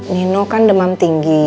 nino kan demam tinggi